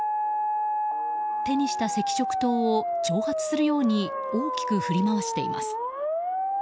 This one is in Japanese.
手にした赤色灯を挑発するように大きく振り回しています。